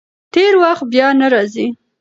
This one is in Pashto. تېر وخت بیا نه راځي.